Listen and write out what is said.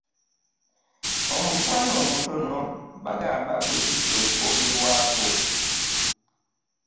Omukwano omutono bagamba gwe gutya okwogerwako.